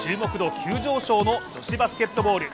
急上昇の女子バスケットボール。